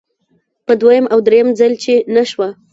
په دویم او دریم ځل چې نشوه.